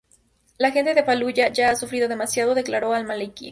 La gente de Faluya ya ha sufrido demasiado", declaró Al Maliki.